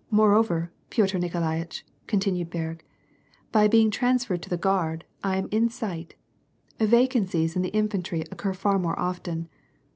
" Moreover, Piotr Nikolaitch," continued Berg, " by being transferred to the Guard, I am in sight ; vacancies in the in fantry occur far more often.